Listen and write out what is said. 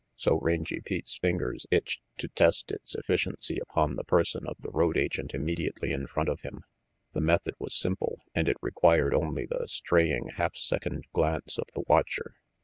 So Rangy Pete's fingers itched to test its efficiency upon the person of the road agent imme diately in front of him. The method was simple, and it required only the straying half second glance of the watcher.